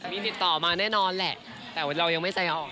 มีติดต่อมาแน่นอนแหละแต่เรายังไม่ใจออก